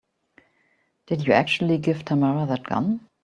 Did you actually give Tamara that gun?